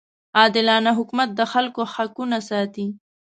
عادلانه حکومت د خلکو حقونه ساتي.